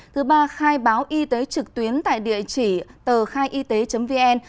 thứ ba khai báo y tế trực tuyến tại địa chỉ tờ khaiyt vn